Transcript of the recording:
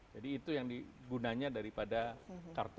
jadi itu yang digunanya daripada kartu prakerja